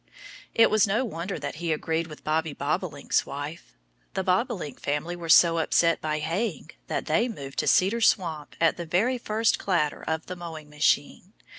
It was no wonder that he agreed with Bobby Bobolink's wife. The Bobolink family were so upset by haying that they moved to Cedar Swamp at the very first clatter of the mowing machine.